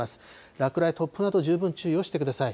落雷、突風など、十分注意をしてください。